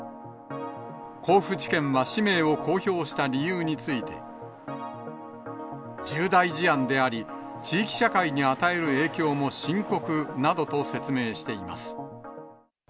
甲府地検は氏名を公表した理由について、重大事案であり、地域社会に与える影響も深刻などと説明しています。